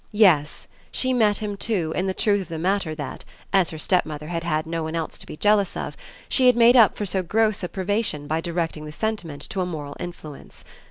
Yes, she met him too in the truth of the matter that, as her stepmother had had no one else to be jealous of, she had made up for so gross a privation by directing the sentiment to a moral influence.